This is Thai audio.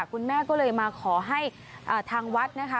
คุณแม่ก็เลยมาขอให้ทางวัดนะคะ